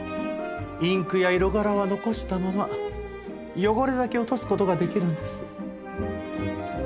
インクや色柄は残したまま汚れだけ落とす事ができるんです。